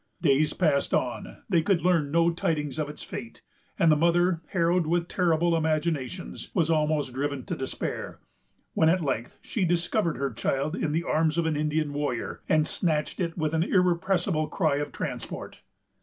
Days passed on; they could learn no tidings of its fate, and the mother, harrowed with terrible imaginations, was almost driven to despair; when, at length, she discovered her child in the arms of an Indian warrior, and snatched it with an irrepressible cry of transport.